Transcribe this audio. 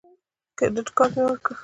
کریډټ کارت مې ورکړ.